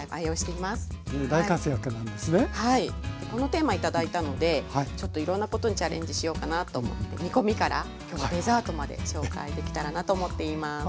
このテーマ頂いたのでちょっといろんなことにチャレンジしようかなと思って煮込みから今日はデザートまで紹介できたらなと思っています。